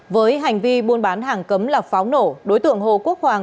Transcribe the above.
với hành vi buôn bán hàng cấm là pháo nổ đối tượng hồ quốc hoàng